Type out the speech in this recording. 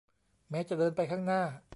แม้จะเดินไปข้างหน้า